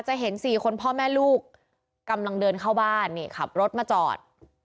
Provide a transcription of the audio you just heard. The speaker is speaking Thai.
เห็น๔คนพ่อแม่ลูกกำลังเดินเข้าบ้านนี่ขับรถมาจอด